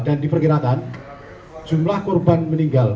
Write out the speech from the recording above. dan diperkirakan jumlah kurban meninggal